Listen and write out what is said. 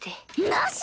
なし！？